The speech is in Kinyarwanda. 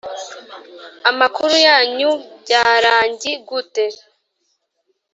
Amakuru yanyu byarangi gute